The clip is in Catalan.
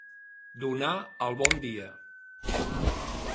Donar el bon dia.